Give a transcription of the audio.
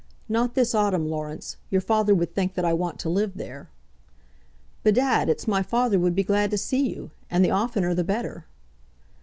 "Not this autumn, Laurence. Your father would think that I want to live there." "Bedad, it's my father would be glad to see you, and the oftener the better."